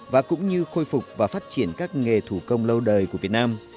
và cũng như khôi phục và phát triển các nghề thủ công lâu đời của việt nam